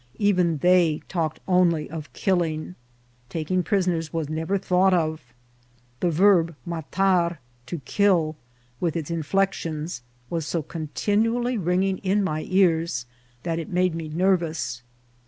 Even they talked only of killing ; taking prisoners was nev er thought of. The verb matar, to kill, with its in flexions, was so continually ringing in my ears that it made me nervous.